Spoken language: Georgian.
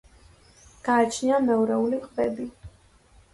გააჩნია მეორეული ყბები.